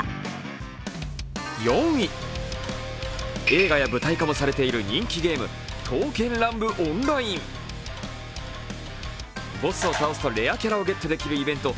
映画や舞台化もされている人気ゲーム「刀剣乱舞ＯＮＬＩＮＥ」ボスを倒すとレアキャラをゲットできるイベント